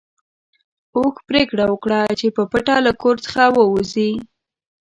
اوښ پرېکړه وکړه چې په پټه له کور څخه ووځي.